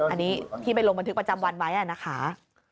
อันนี้ที่ไปลงบันทึกประจำวันไว้นะคะ